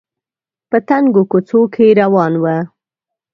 په تنګو کوڅو کې روان و